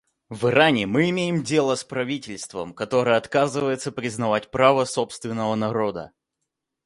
В Иране мы имеем дело с правительством, которое отказывается признавать права собственного народа.